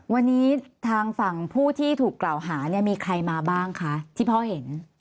วันนี้ทางฝั่งผู้ที่ถูกกล่าวหาเนี่ยมีใครมาบ้างคะที่พ่อเห็น